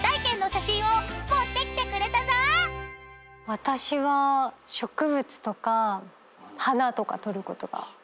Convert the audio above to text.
私は植物とか花とか撮ることが。